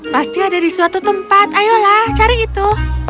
pasti ada di suatu tempat ayolah cari itu